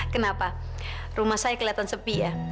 kenapa rumah saya kelihatan sepi ya